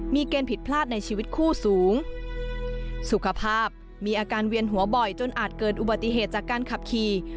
มีเกณฑ์ผิดพลาดในชีวิตคู่สูงสุขภาพมีอาการเวียนหัวบ่อยจนอาจเกิดอุบัติเหตุจากการขับขี่